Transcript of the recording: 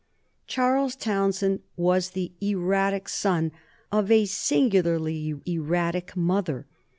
Charles Townshend was the erratic son of a singularly erratic mother.